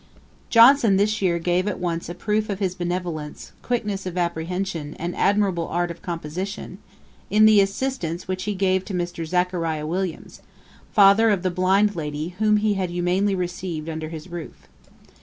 ] Johnson this year gave at once a proof of his benevolence, quickness of apprehension, and admirable art of composition, in the assistance which he gave to Mr. Zachariah Williams, father of the blind lady whom he had humanely received under his roof.